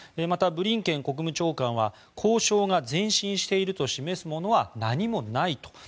また、ブリンケン国務長官は交渉が前進していると示すものは何もないと。